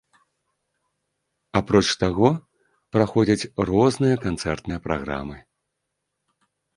Апроч таго, праходзяць розныя канцэртныя праграмы.